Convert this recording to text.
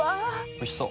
おいしそう。